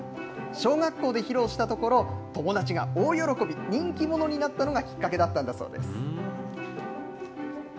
小学校で披露したところ、友達が大喜び、人気者になったのがきっかけだったんだそうです。